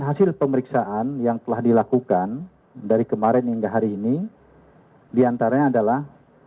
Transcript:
hasil pemeriksaan yang telah dilakukan dari kemarin hingga hari ini diantaranya adalah